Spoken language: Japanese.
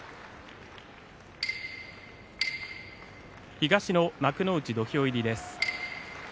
東の幕内土俵入りです。